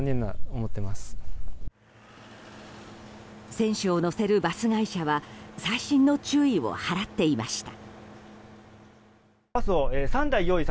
選手を乗せるバス会社は細心の注意を払っていました。